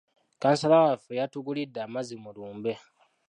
Kkansala waffe yatugulidde amazzi mu lumbe.